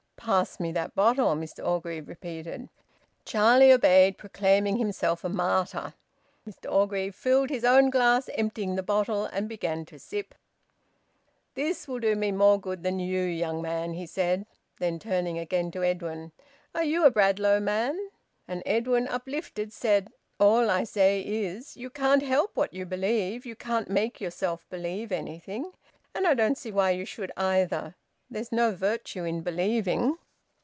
"Pass me that bottle," Mr Orgreave repeated. Charlie obeyed, proclaiming himself a martyr. Mr Orgreave filled his own glass, emptying the bottle, and began to sip. "This will do me more good than you, young man," he said. Then turning again to Edwin: "Are you a Bradlaugh man?" And Edwin, uplifted, said: "All I say is you can't help what you believe. You can't make yourself believe anything. And I don't see why you should, either. There's no virtue in believing."